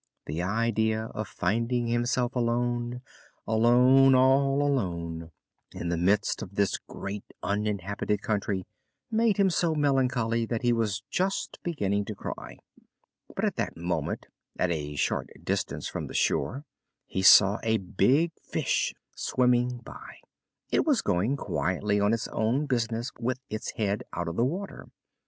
This idea of finding himself alone, alone, all alone, in the midst of this great uninhabited country, made him so melancholy that he was just beginning to cry. But at that moment, at a short distance from the shore, he saw a big fish swimming by; it was going quietly on its own business with its head out of the water.